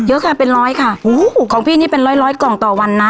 เยอะค่ะเป็นร้อยค่ะโอ้โหของพี่นี่เป็นร้อยร้อยกล่องต่อวันนะ